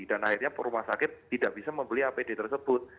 dan akhirnya rumah sakit tidak bisa membeli apd tersebut